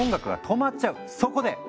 そこで！